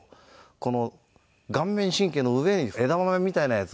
この顔面神経の上に枝豆みたいなやつが。